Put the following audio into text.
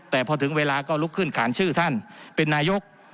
แต่พอถึงเวลาก็ลุกขึ้นขานชื่อท่านเป็นนายก